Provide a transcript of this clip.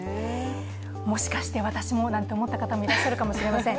もしかして私もなんて思った方もいらっしゃるかもしれません。